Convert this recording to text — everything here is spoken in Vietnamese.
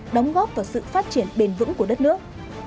đóng góp vào sự phát triển bền vững của đất nước